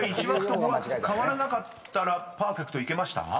［１枠と５枠替わらなかったらパーフェクトいけました？］